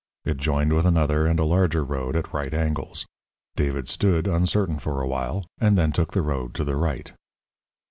It joined with another and a larger road at right angles. David stood, uncertain, for a while, and then took the road to the right.